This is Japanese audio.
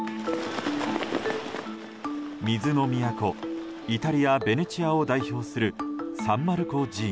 水の都イタリア・ベネチアを代表するサン・マルコ寺院。